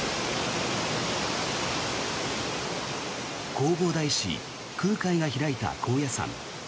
弘法大師空海が開いた高野山。